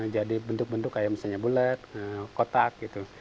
jadi bentuk bentuk kayak misalnya bulet kotak gitu